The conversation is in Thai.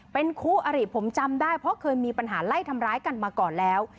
เป็นคู่อริผมจำได้เพราะเคยมีปัญหาไล่ทำร้ายกันมาก่อนแล้ว